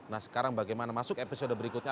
nah sekarang bagaimana masuk episode berikutnya